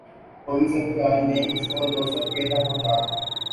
تو اس احتجاج نے اس کو دوسو روپے تک پہنچا دیا ہے۔